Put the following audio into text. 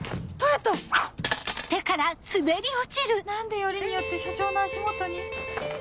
何でよりによって署長の足元に